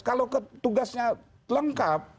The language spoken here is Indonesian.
kalau ke tugasnya lengkap